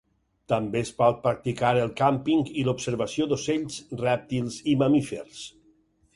També es pot practicar el càmping i l'observació d'ocells, rèptils i mamífers.